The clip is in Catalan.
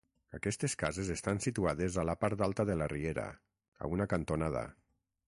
Aquestes cases estan situades a la part alta de la Riera, a una cantonada.